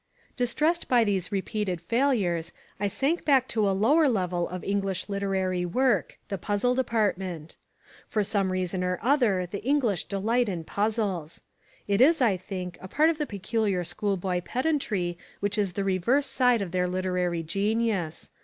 Distressed by these repeated failures, I sank back to a lower level of English literary work, the puzzle department. For some reason or other the English delight in puzzles. It is, I think, a part of the peculiar school boy pedantry which is the reverse side of their literary genius.